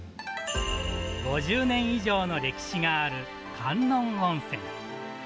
５０年以上の歴史がある観音温泉。